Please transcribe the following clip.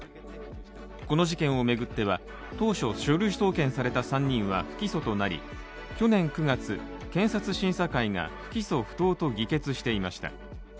この事件を巡っては当初、書類送検された３人は不起訴となり去年９月、検察審査会が不起訴不当と議決していました。